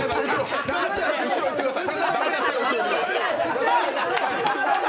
後行ってください。